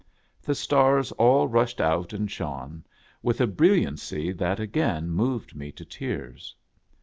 The stars all rushed out and shone with a brilliancy that again moved me to tears.